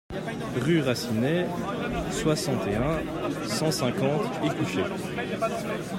Rue Racinet, soixante et un, cent cinquante Écouché